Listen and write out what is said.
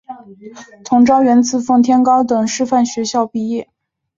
佟兆元自奉天高等师范学校毕业。